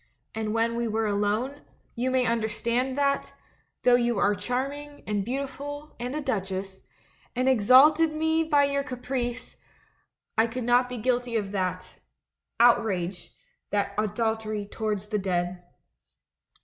And when we were alone, you may understand that, though you are charming, and beautiful, and a duchess, and exalted me by your caprice, I could not be guilty of that — out rage, that adultery towards the dead.